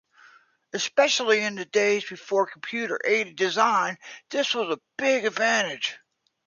Especially in the days before computer-aided design, this was a big advantage.